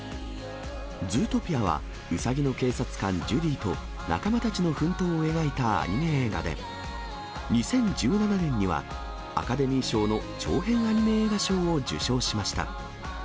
ズートピアは、ウサギの警察官、ジュディと仲間たちの奮闘を描いたアニメ映画で、２０１７年には、アカデミー賞の長編アニメ映画賞を受賞しました。